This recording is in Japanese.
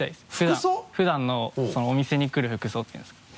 普段のお店に来る服装っていうんですかね。